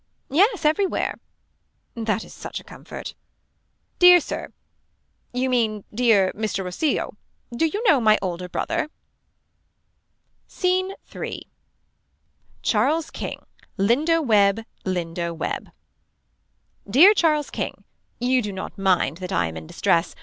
Yes everywhere. That is such a comfort. Dear sir. You mean dear Mr. Rossilo do you know my older brother. Scene 3. Charles King. Lindo Webb Lindo Webb. Dear Charles King. You do not mind that I am in distress.